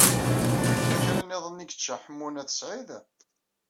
Yella kra niḍen i yečča Ḥemmu n At Sɛid?